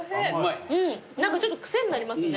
ちょっと癖になりますね。